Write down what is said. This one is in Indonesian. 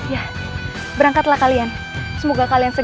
iya bener ini maliknya